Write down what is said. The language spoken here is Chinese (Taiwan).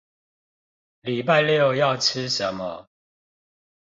禮拜六要吃什麼